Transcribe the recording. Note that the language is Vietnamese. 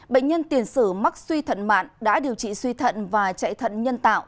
bệnh nhân tiền sử mắc suy thận mạn đã điều trị suy thận và chạy thận nhân tạo